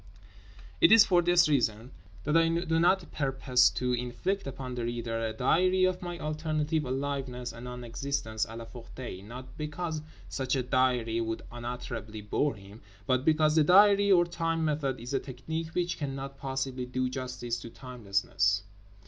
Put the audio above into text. It is for this reason that I do not purpose to inflict upon the reader a diary of my alternative aliveness and non existence at La Ferté—not because such a diary would unutterably bore him, but because the diary or time method is a technique which cannot possibly do justice to timelessness.